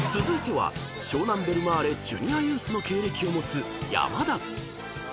［続いては湘南ベルマーレジュニアユースの経歴を持つ山田］